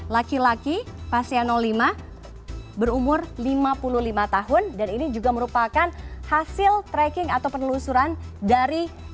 laki laki pasien lima berumur lima puluh lima tahun dan ini juga merupakan hasil tracking atau penelusuran dari